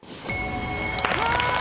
うわ。